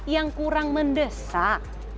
yang kurang mendesak